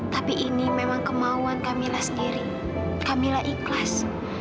tapi ini memang kemauan kamilah sendiri kamilah ikhlas